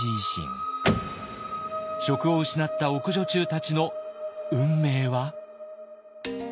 職を失った奥女中たちの運命は。